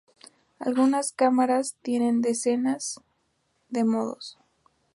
Algunas cámaras tienen decenas de modos.